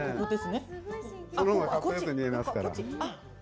その方がかっこよく見えますから。